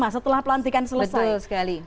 setelah pelantikan selesai sekali